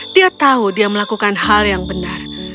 dia tahu dia melakukan hal yang benar